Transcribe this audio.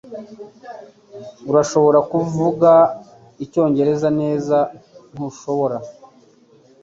Urashobora kuvuga icyongereza neza ntushobora